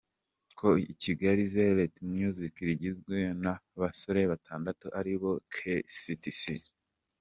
ko "Kigali 'z Illest Music" rigizwe n 'abasore batandatu aribo "K-City,C.